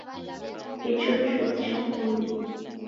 Icho chuo cha poie